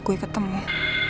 aku mau ke rumah